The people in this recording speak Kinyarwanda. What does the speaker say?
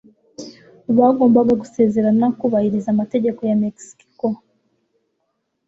Bagombaga gusezerana kubahiriza amategeko ya Mexico.